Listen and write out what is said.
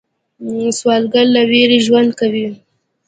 سوالګر له ویرې ژوند کوي